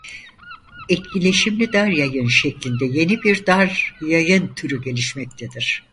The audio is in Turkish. Etkileşimli dar yayın şeklinde yeni bir dar yayın türü gelişmektedir.